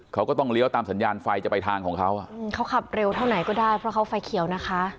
เขาก็ต้องเลี้ยวตามสัญญาณไฟจะไปทางของเขาอ่ะอืมเขาขับเร็วเท่าไหนก็ได้เพราะเขาไฟเขียวนะคะ